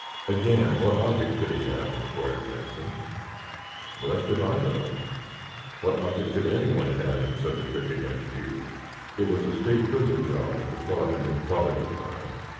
"Again, what object could he have?" inquired Benson. "Blessed if I know. What object could anyone have in such a trick against you? It was a state prison job, if the fellow had been caught at the time."